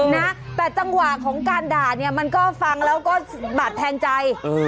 นะแต่จังหวะของการด่าเนี่ยมันก็ฟังแล้วก็บาดแทงใจ